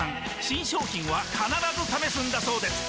新商品は必ず試すんだそうです